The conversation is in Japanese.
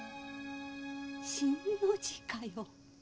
新の字かよ。